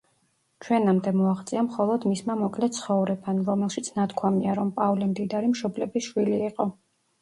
ჩვენამდე მოაღწია მხოლოდ მისმა მოკლე ცხოვრებამ, რომელშიც ნათქვამია, რომ პავლე მდიდარი მშობლების შვილი იყო.